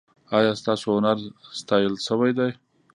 ایا ستاسو هنر ستایل شوی دی؟